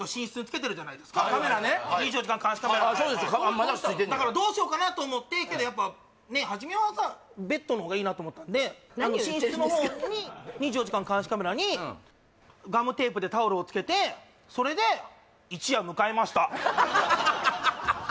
まだ続いてだからどうしようかなと思ってけどやっぱ初めはさベッドのほうがいいなと思ったんで寝室のほうに２４時間監視カメラにガムテープでタオルをつけてそれで一夜迎えました